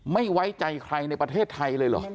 ไม่ไว้ใจใครในประเทศไทยเลยเหรอ